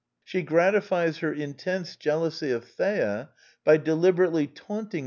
She gratifies her intense jealousy of Thea by deliberately taunting .